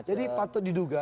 jadi patut diduga